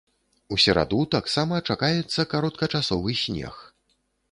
У сераду таксама чакаецца кароткачасовы снег.